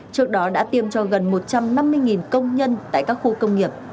trước đó đã tiêm cho gần một trăm năm mươi công nhân tại các khu công nghiệp